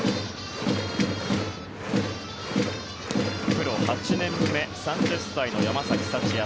プロ８年目、３０歳の山崎福也。